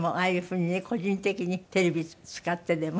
個人的にテレビ使ってでも。